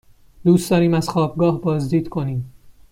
دوست داریم از خوابگاه بازدید کنیم.